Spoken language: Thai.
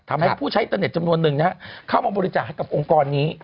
ทำให้ผู้ใช้อินเตอร์เน็ตจำนวนหนึ่งเข้ามาบริจาคให้กับองค์กรนี้